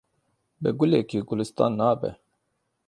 Bi gulekê gulîstan nabe.